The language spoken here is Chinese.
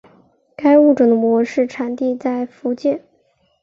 该物种的模式产地在福建。